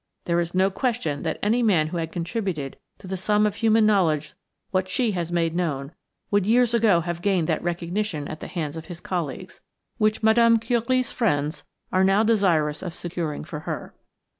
There is no question that any man who had contributed to the sum of human knowledge what she has made known, would years ago have gained that recognition at the hands of his colleagues, which Mme. Curie's friends are now desirous of securing for her.